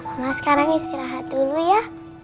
mama sekarang istirahat dulu ya